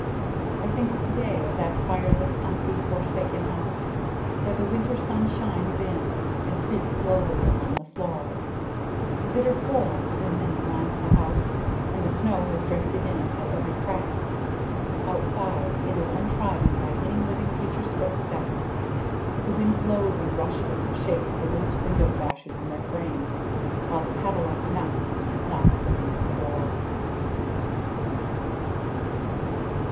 I think to day of that fireless, empty, forsaken house, where the winter sun shines in and creeps slowly along the floor; the bitter cold is in and around the house, and the snow has sifted in at every crack; outside it is untrodden by any living creature's footstep. The wind blows and rushes and shakes the loose window sashes in their frames, while the padlock knocks knocks against the door.